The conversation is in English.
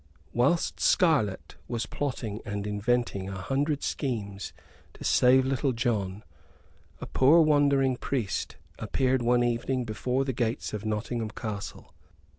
Whilst Scarlett was plotting and inventing a hundred schemes to save Little John, a poor wandering priest appeared one evening before the gates of Nottingham Castle.